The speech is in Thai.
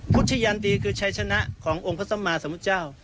พุทธยันตีคือชัยชนะขององค์พระสัมมาสมพุทธเจ้า